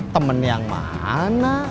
temen yang mana